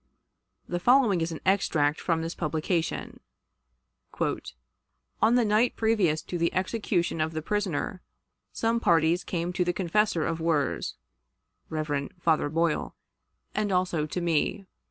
The following is an extract from this publication: "On the night previous to the execution of the prisoner, some parties came to the confessor of Wirz (Rev. Father Boyle) and also to me.